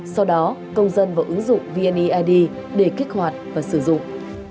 sau đó công dân vào ứng dụng vneid để kích hoạt và sử dụng